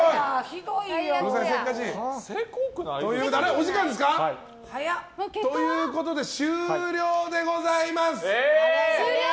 お時間ですか。ということで、終了でございます。